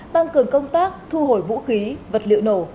thường công tác thu hồi vũ khí vật liệu nổ